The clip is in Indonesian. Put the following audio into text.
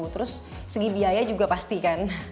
terus segi biaya juga pasti kan